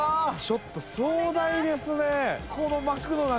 ちょっと壮大ですね。